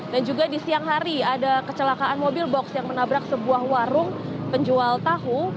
dan juga di siang hari ada kecelakaan mobil box yang menabrak sebuah warung penjual tahu